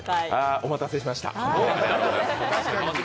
お待たせしました。